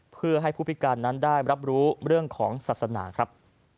เพื่อให้ผู้พิการนั้นได้รับรู้เรื่องของศาสนาครับ